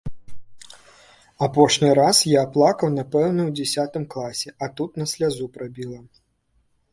Апошні раз я плакаў, напэўна, у дзясятым класе, а тут на слязу прабіла.